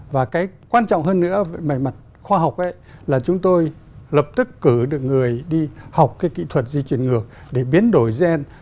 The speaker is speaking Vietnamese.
và cái quan trọng hơn nữa về mặt khoa học ấy là chúng tôi lập tức cử được người đi học cái kỹ thuật di chuyển ngược để biến đổi gen